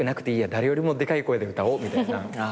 誰よりもでかい声で歌おうみたいな。